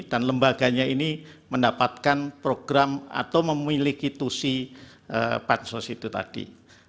dan lembaganya ini mendapatkan program atau memiliki tusi pansos itu tadi